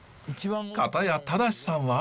片や忠志さんは？